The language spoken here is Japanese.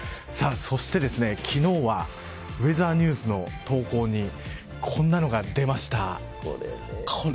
そして昨日はウェザーニュースの投稿にこんなのが出ました。